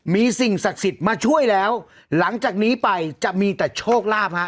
มีสิ่งศักดิ์สิทธิ์มาช่วยแล้วหลังจากนี้ไปจะมีแต่โชคลาภฮะ